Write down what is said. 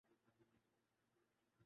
میں نے جو پہلے کہا ،اس پر اب بھی قائم ہوں